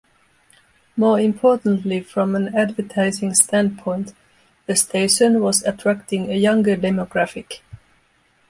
More importantly from an advertising standpoint, the station was attracting a younger demographic.